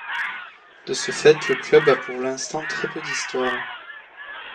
De ce fait le club à pour l'instant très peu d'histoire.